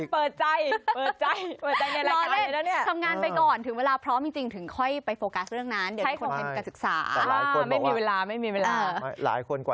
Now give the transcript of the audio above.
เพราะว่าเราก็สวยเลือกได้ค่ะ